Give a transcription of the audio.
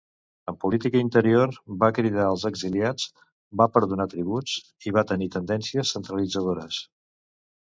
En política interior va cridar als exiliats, va perdonar tributs, i va tenir tendències centralitzadores.